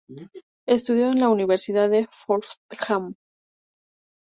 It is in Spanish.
Estudió en la Universidad de Fordham.